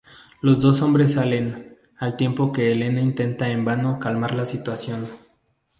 Los dos hombres salen, al tiempo que Elena intenta en vano calmar la situación.